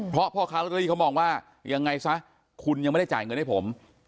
เพราะพ่อค้าลอตเตอรี่เขามองว่ายังไงซะคุณยังไม่ได้จ่ายเงินให้ผม